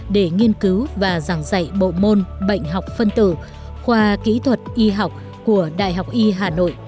để nghiên cứu và giảng dạy bộ môn bệnh học phân tử khoa kỹ thuật y học của đhh